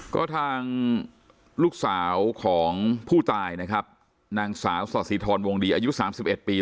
ก็ทางลูกสาวของผู้ตายนะครับนางสาวสอสิทรวงดีอายุ๓๑ปี